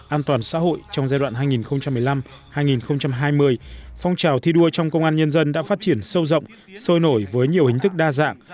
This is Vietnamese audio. an toàn xã hội trong giai đoạn hai nghìn một mươi năm hai nghìn hai mươi phong trào thi đua trong công an nhân dân đã phát triển sâu rộng sôi nổi với nhiều hình thức đa dạng